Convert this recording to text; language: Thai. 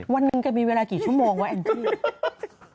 วันนึงก็มีเวลากี่ชั่วโมงไว้แอลที่